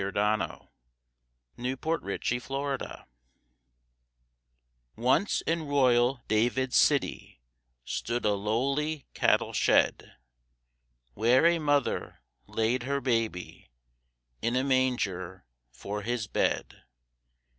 Edwin Lees A CHRISTMAS HYMN Once in royal David's city Stood a lowly cattle shed Where a mother laid her Baby, In a manger for His bed.